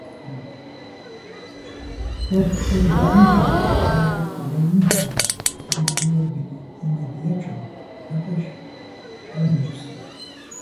ქო́რთოქორბაჰ̦ინჩონ, და́ლეგ ლე́ვინჩონ წმიდგიორგიჼ იმედ ჲაჩონ ნაყი́შ ჰ̦ალო̆ ნიფსლა.